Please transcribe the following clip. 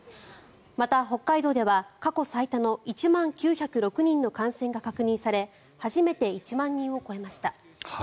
また北海道では、過去最多の１万９０６人の感染が確認され初めて１万人を超えました。